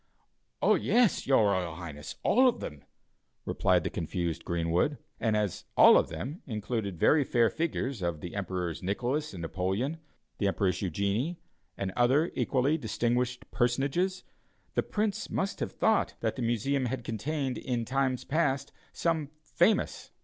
"Yes, your Royal Highness, all of them," replied the confused Greenwood, and as "all of them" included very fair figures of the Emperors Nicholas and Napoleon, the Empress Eugenie, and other equally distinguished personages, the Prince must have thought that the Museum had contained, in times past, some famous "living curiosities."